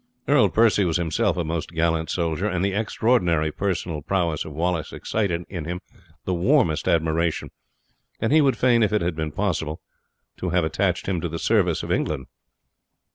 Earl Percy was himself a most gallant soldier, and the extraordinary personal prowess of Wallace excited in him the warmest admiration, and he would fain, if it had been possible, have attached him to the service of England.